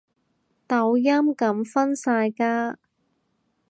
抖音噉分晒家